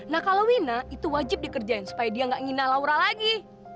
nah kalau wina itu wajib dikerjain supaya dia nggak ngina laura lagi